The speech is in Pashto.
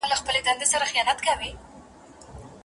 که استاد معلومات ونلري شاګرد به بې لاري سي.